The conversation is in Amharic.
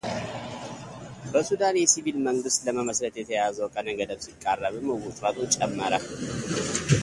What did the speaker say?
በሱዳን የሲቪል መንግሥት ለመመስረት የተያዘው ቀነ ገደብ ሲቃረብም ውጥረቱ ጨመረ